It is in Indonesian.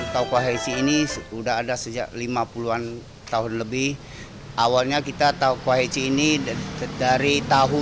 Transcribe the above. toko heci ini sudah ada sejak lima puluh an tahun lebih awalnya kita tahu kuah heci ini dari tahu